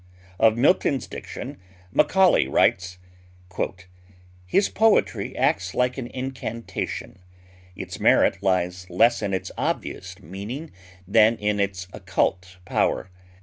Of Milton's diction Macaulay writes: "His poetry acts like an incantation. Its merit lies less in its obvious meaning than in its occult power.